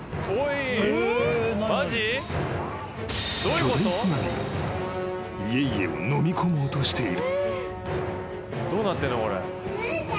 ［巨大津波が家々をのみ込もうとしている］